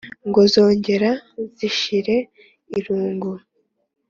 Ngo zongere zishire irungu.